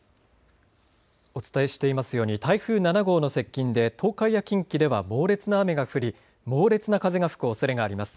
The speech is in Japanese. お伝えしていますように台風７号の接近で東海や近畿では猛烈な雨が降り、猛烈な風が吹くおそれがあります。